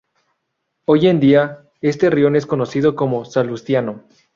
Hoy en día, este rione es conocido como Salustiano.